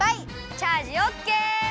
チャージオッケー！